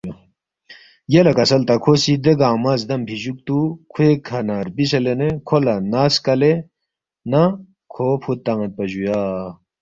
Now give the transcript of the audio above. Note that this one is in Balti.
یلے کسل تا کھو سی دے گنگمہ زدمفی جُوکتُو کھوے کھہ نہ ربِسے لینے کھو لہ نا سکلے نہ کھو فُود تان٘یدپا جُویا